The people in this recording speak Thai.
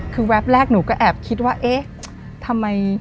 คือแป๊บแรกหนูก็แอบคิดว่าเอ๊ะทำไม